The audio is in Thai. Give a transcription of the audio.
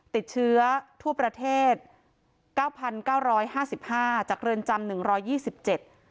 ติดเชื้อทั่วประเทศเก้าพันเก้าร้อยห้าสิบห้าจากเรือนจำหนึ่งร้อยยี่สิบเจ็ด